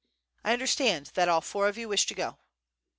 "I understand that alL four of you wish to go."